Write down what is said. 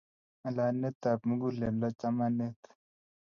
Ng'alanetab muguleldo chamanet